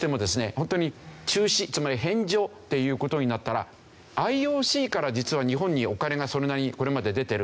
本当に中止つまり返上っていう事になったらＩＯＣから実は日本にお金がそれなりにこれまで出てる。